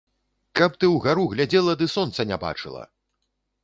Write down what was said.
Каб ты ўгару глядзела ды сонца не бачыла!